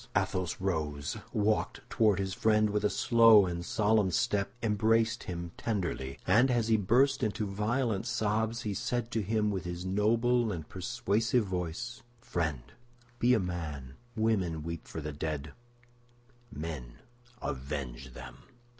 Athos rose, walked toward his friend with a slow and solemn step, embraced him tenderly, and as he burst into violent sobs, he said to him with his noble and persuasive voice, "Friend, be a man! Women weep for the dead; men avenge them!"